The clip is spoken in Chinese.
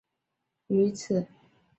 大城山革命烈士陵园也建于此。